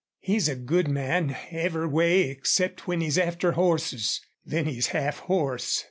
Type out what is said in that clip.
He's a good man every way except when he's after horses. Then he's half horse.